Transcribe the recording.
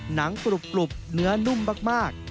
หนังกรุบเนื้อนุ่มมาก